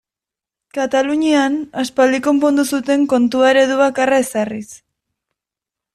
Katalunian aspaldian konpondu zuten kontua eredu bakarra ezarriz.